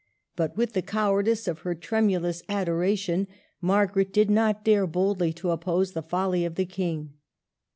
But with the cowardice of her tremulous adora tion, Margaret did not dare boldly to oppose the folly of the King.